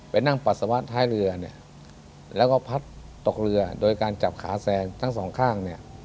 นั่งปัสสาวะท้ายเรือเนี่ยแล้วก็พัดตกเรือโดยการจับขาแซงทั้งสองข้างเนี่ย